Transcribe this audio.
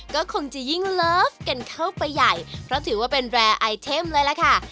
ก็คงจะยิ่งเลิฟกันเข้าไปใหญ่เพราะถือว่าเป็นแรร์ไอเทมเลยล่ะค่ะ